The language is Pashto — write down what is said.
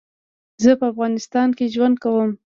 زه په افغانستان کي ژوند کوم